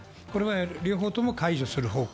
両方とも解除する方向。